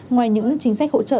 ngoài những chính sách hỗ trợ